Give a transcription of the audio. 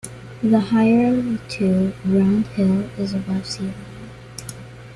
The higher of the two, Round Hill, is above sea-level.